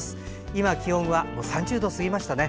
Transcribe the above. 今、気温は３０度を過ぎましたね。